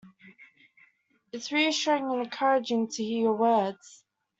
It's reassuring and encouraging to hear your words.